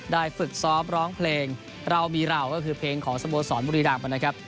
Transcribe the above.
ได้ฝึกซอฟต์ร้องเพลงราวมีราวก็คือเพลงของสโบสถ์ศรบุรีรักษณ์